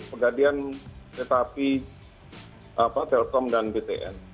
pegadean tetapi lkom dan bps